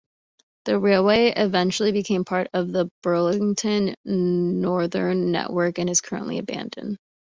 The railway eventually became part of the Burlington Northern network and is currently abandoned.